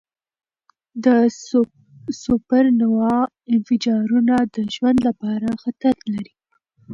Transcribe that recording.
د سوپرنووا انفجارونه د ژوند لپاره خطر لري.